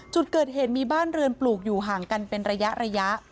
จุดเกิดเหตุมีบ้านเรือนปลูกอยู่ห่างกันเป็นระยะ